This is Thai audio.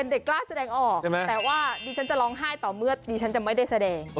เด็กกล้าแสดงออกแต่ว่าดิฉันจะร้องไห้ต่อเมื่อดิฉันจะไม่ได้แสดง